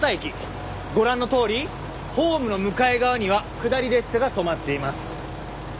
ご覧のとおりホームの向かい側には下り列車が止まっています。